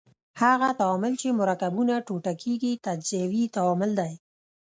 هغه تعامل چې مرکبونه ټوټه کیږي تجزیوي تعامل دی.